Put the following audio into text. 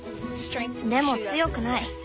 でも強くない。